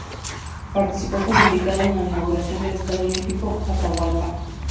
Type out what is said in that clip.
Participó como invitado en la Inauguración del Estadio Olímpico Atahualpa.